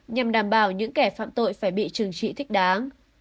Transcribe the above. nhằm đảm bảo những kẻ phạm tội phải bị trừng trị thích đáng